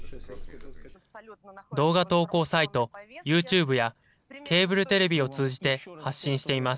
動画投稿サイト、ユーチューブやケーブルテレビを通じて発信しています。